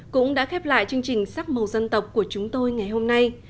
cũng đã khép lại chương trình sắc màu dân tộc của chúng tôi ngày hôm nay